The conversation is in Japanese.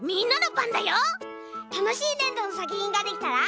たのしいねんどのさくひんができたら！